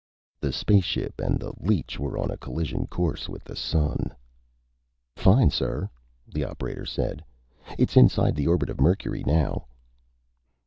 The spaceship and the leech were on a collision course with the Sun. "Fine, sir," the operator said. "It's inside the orbit of Mercury now."